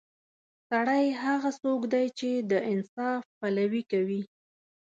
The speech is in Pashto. سړی هغه څوک دی چې د انصاف پلوي کوي.